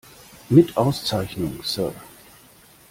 Mit Auszeichnung, Sir!